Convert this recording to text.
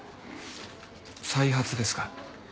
再発ですか。